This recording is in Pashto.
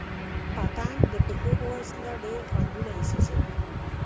پتنګ د پښو په وسیله ډېر خوندونه احساسوي.